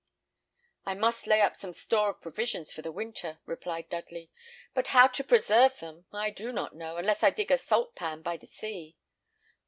"I must lay up some store of provisions for the winter," replied Dudley; "but how to preserve them I do not know, unless I dig a saltpan by the Sea."